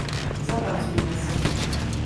Zatancujme si.